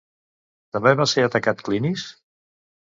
També va ser atacat Clinis?